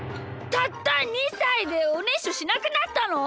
たった２さいでおねしょしなくなったの！？